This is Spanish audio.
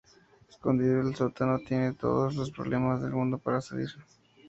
Escondido al sótano, tiene todos los problemas del mundo para salir.